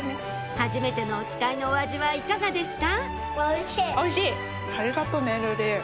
はじめてのおつかいのお味はいかがですか？